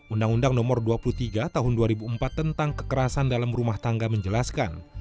undang undang nomor dua puluh tiga tahun dua ribu empat tentang kekerasan dalam rumah tangga menjelaskan